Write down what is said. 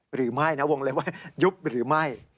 หรือไม่นะวงเล็บว่ายุบหรือไม่